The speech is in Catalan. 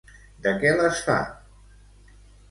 De què les fa?